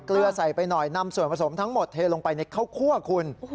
เกลือใส่ไปหน่อยนำส่วนผสมทั้งหมดเทลงไปในข้าวคั่วคุณ